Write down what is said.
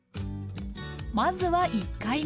まずは１回目。